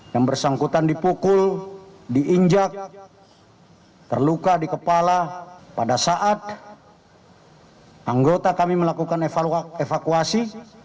yang bersangkutan dipukul diinjak terluka di kepala pada saat anggota kami melakukan evakuasi